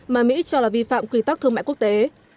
mà mỹ cho là vi phạm quy tắc thương mại quốc tế